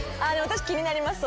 気になります